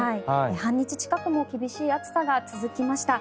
半日近くも厳しい暑さが続きました。